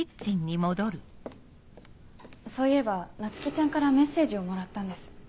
そういえば菜月ちゃんからメッセージをもらったんです。